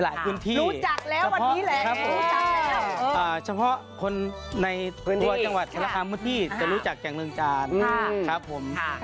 ใช่ครับเฉพาะคนในตัวจังหวัดธรรมดีจะรู้จักแจ่งเริงจานครับผม